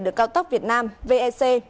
được cao tốc việt nam vec